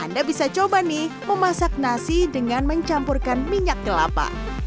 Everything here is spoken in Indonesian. anda bisa coba nih memasak nasi dengan mencampurkan minyak kelapa